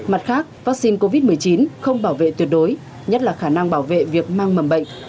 mặt khác vaccine covid một mươi chín không bảo vệ tuyệt đối nhất là khả năng bảo vệ việc mang mầm bệnh